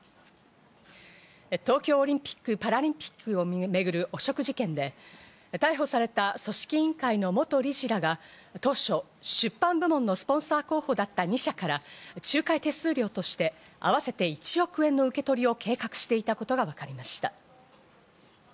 東京オリンピック・パラリンピックを巡る汚職事件で、逮捕された組織委員会の元理事らが当初、出版部門のスポンサー候補だった２社から仲介手数料として合わせて１億円の受け取りを計画していたことが分かりました。